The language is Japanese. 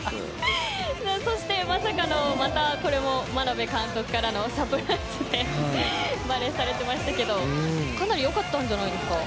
そしてまさかの眞鍋監督からのサプライズでバレーされていましたけどかなり良かったんじゃないですか。